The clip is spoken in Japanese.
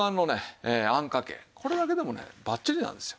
これだけでもねバッチリなんですよ。